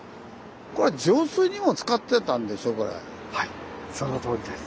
これはいそのとおりです。